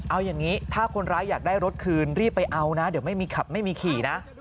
เอาอย่างนี้ถ้าคนร้ายอยากได้รถคืนรีบไปเอานะเดี๋ยวไม่มีขับไม่มีขี่นะ